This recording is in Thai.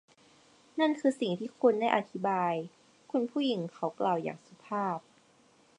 นั่นคือสิ่งที่คุณได้อธิบาย คุณผู้หญิง เขากล่าวอย่างสุภาพ